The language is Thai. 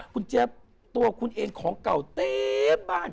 คุณเจี๊ยบตัวคุณเองของเก่าเต็มบ้าน